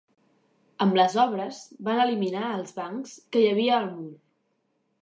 Amb les obres van eliminar els bancs que hi havia al mur.